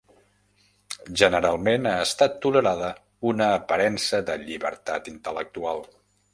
Generalment ha estat tolerada una aparença de llibertat intel·lectual.